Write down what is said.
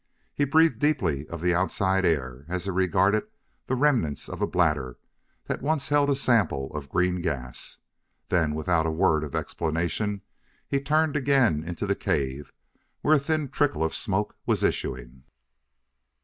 He breathed deeply of the outside air as he regarded the remnant of a bladder that once had held a sample of green gas. Then, without a word of explanation, he turned again into the cave where a thin trickle of smoke was issuing.